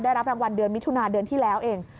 ได้รับรางวัลเดือนมิถุนาเดือนที่แล้วเอง